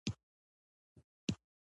له ستونزو پرته مو رسوو ته بیغمه اوسه.